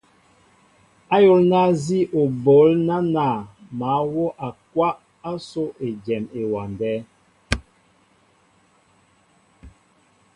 Ayólná nzí o ɓoól nánȃ mă wóʼakwáʼ ásó éjem ewándέ.